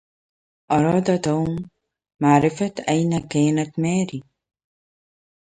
أراد توم معرفة أين كانت ماري.